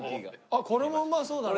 あっこれもうまそうだね。